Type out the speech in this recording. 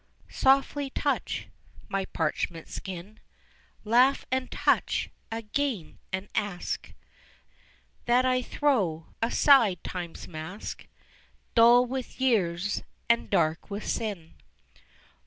Softly touch my parchment skin, Laugh and touch again and ask That I throw aside time's mask, Dull with years and dark with sin.